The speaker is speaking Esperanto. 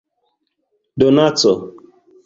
donaco